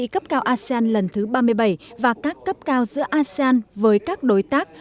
cấp cao asean lần thứ ba mươi bảy và các cấp cao giữa asean với các đối tác